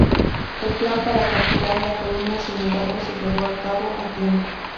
El plan para capturar la colina, sin embargo, se llevó a cabo a tiempo.